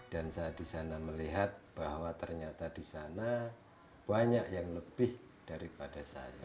dan saya di sana melihat bahwa ternyata di sana banyak yang lebih daripada saya